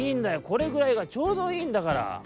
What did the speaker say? これぐらいがちょうどいいんだから」。